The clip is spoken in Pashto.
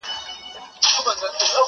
کفن کښ ظالم کړې ورک له دغه ځایه٫